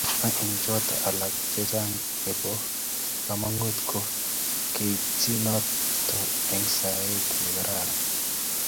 ak eng' choto alak chechang nebo kamangut ko keitchi noton eng sait ne kararan